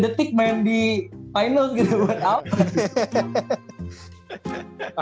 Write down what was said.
tiga detik main di finals gitu buat apa